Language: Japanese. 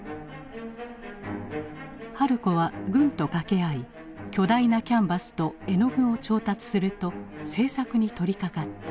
春子は軍と掛け合い巨大なキャンバスと絵の具を調達すると制作に取りかかった。